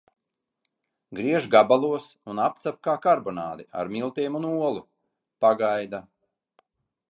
Griež gabalos un apcep kā karbonādi ar miltiem un olu. Pagaida.